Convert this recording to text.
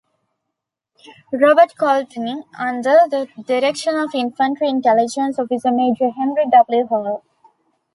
Robert Colodny under the direction of Infantry Intelligence Officer Major Henry W. Hall.